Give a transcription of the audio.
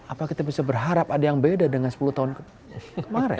apa kita bisa berharap ada yang beda dengan sepuluh tahun kemarin